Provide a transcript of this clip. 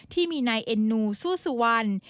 ที่มีนายเอ็นนูซู่สุวัล